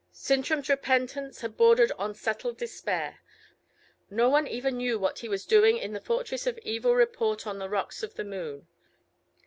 Sintram's repentance had bordered on settled despair; no one knew even what he was doing in the fortress of evil report on the Rocks of the Moon.